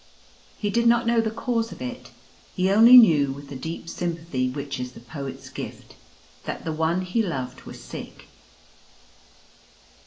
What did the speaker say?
He did not know the cause of it; he only knew with the deep sympathy which is the poet's gift, that the One he loved was sick.